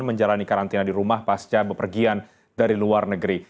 menjalani karantina di rumah pasca bepergian dari luar negeri